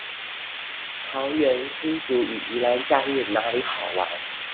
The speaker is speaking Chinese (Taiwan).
桃園新竹與宜蘭假日哪裡好玩